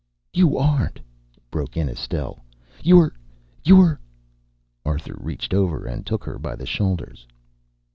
"You aren't," broke in Estelle; "you're you're " Arthur reached over and took her by the shoulders.